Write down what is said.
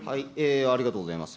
ありがとうございます。